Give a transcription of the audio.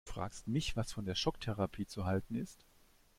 Du fragst mich, was von der Schocktherapie zu halten ist?